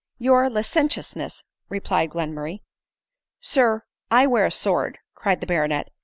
" Your licentiousness," replied Glenmurray. " Sir, I wear a sword," cried the baronet.